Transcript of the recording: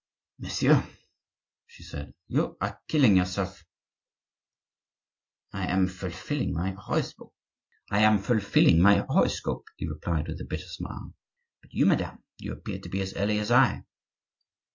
"Monsieur," she said, "you are killing yourself." "I am fulfilling my horoscope," he replied with a bitter smile. "But you, madame, you appear to be as early as I."